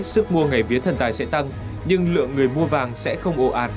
sức mua ngày vía thần tài sẽ tăng nhưng lượng người mua vàng sẽ không ồ ạt